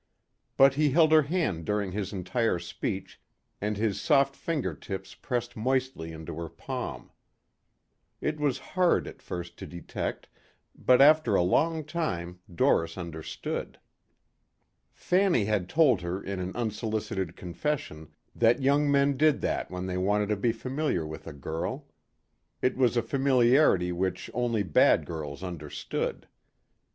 But he held her hand during his entire speech and his soft finger tips pressed moistly into her palm. It was hard at first to detect but after a long time Doris understood. Fanny had told her in an unsolicited confession that young men did that when they wanted to be familiar with a girl. It was a familiarity which only bad girls understood.